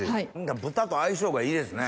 豚と相性がいいですね。